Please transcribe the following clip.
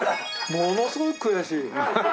ものすごい悔しい。